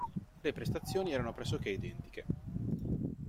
Le prestazioni erano pressoché identiche.